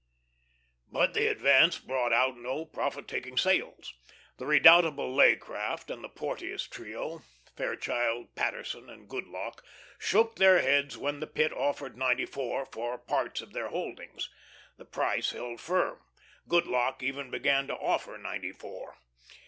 But the advance brought out no profit taking sales. The redoubtable Leaycraft and the Porteous trio, Fairchild, Paterson, and Goodlock, shook their heads when the Pit offered ninety four for parts of their holdings. The price held firm. Goodlock even began to offer ninety four.